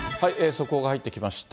速報が入ってきました。